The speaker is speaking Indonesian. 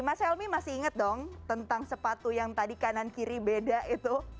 mas helmi masih ingat dong tentang sepatu yang tadi kanan kiri beda itu